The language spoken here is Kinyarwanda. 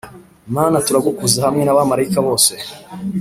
Mana turagukuza hamwe n’abamarayika bose